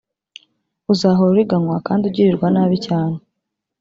uzahora uriganywa kandi ugirirwa nabi cyane.